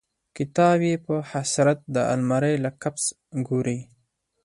کتاب یې په حسرت د المارۍ له قفس ګوري